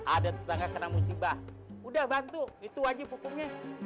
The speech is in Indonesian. ada tetangga kena musibah udah bantu itu aja hukumnya